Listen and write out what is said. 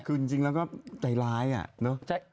คือจริงแล้วก็ใจร้ายอ่ะเนอะ